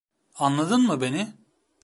Anladın mı beni?